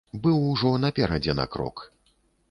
Быў ужо наперадзе на крок.